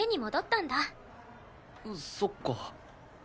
そっか。